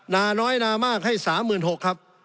นาน้อยนามากให้๓๖๐๐ครับ